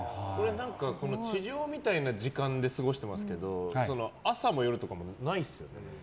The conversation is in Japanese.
地上みたいな時間で過ごしてますけど朝も夜とかもないですよね。